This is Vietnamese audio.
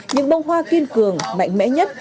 những bông hoa kiên cường mạnh mẽ nhất